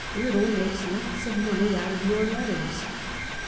Riddle makes lots of money out of your letters."